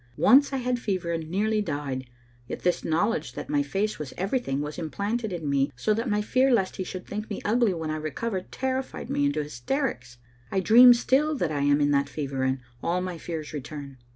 Once I had fever and nearly died, yet this knowledge that my face was everything was implanted in me so that my fear lest he should think me ugly when I recovered terrified me into hysterics. I dream still that I am in that fever and all my fears return.